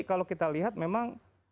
kalau kita lihat memang